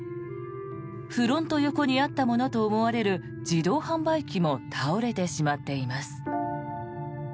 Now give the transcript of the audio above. フロント横にあったものと思われる自動販売機も倒れてしまっています。